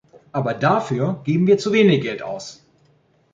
Aber dafür geben wir zu wenig Geld aus.